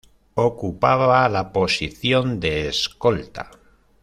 Ocupaba la posición de escolta.